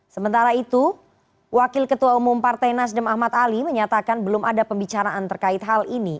sementara itu wakil ketua umum partai nasdem ahmad ali menyatakan belum ada pembicaraan terkait hal ini